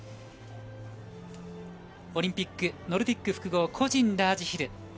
オリンピックノルディック複合個人ラージヒル。